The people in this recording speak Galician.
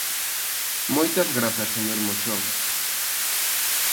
Moitas grazas, señor Moxón.